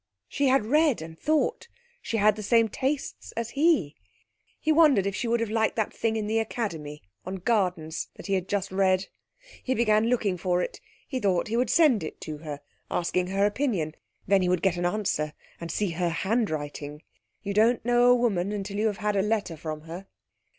She had read and thought; she had the same tastes as he. He wondered if she would have liked that thing in The Academy, on Gardens, that he had just read. He began looking for it. He thought he would send it to her, asking her opinion; then he would get an answer, and see her handwriting. You don't know a woman until you have had a letter from her.